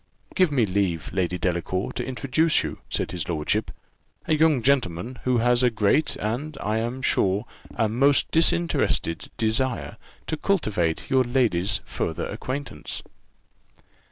"Give me leave, Lady Delacour, to introduce to you," said his lordship, "a young gentleman, who has a great, and, I am sure, a most disinterested desire to cultivate your ladyship's further acquaintance."